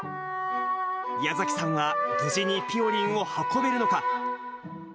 矢崎さんは、無事にぴよりんを運べるのか。